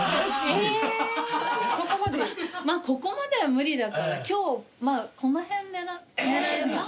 まあここまでは無理だから今日この辺。えできる？